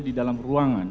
di dalam ruangan